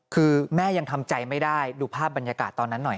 คือแม่ยังทำใจไม่ได้ดูภาพบรรยากาศตอนนั้นหน่อย